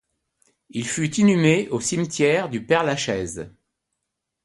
Il fut inhumé au cimetière du Père-Lachaise.